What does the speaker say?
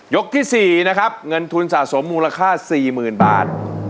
ที่๔นะครับเงินทุนสะสมมูลค่า๔๐๐๐บาท